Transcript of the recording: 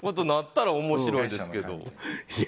なったら面白いですけど。